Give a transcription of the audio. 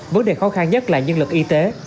vấn đề khó khăn nhất là nhân lực y tế